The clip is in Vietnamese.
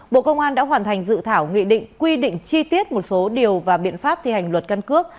bộ công an đã hoàn thành dự thảo nghị định quy định chi tiết một số điều và biện pháp thi hành luật căn cước